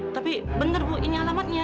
tapi benar bu ini alamatnya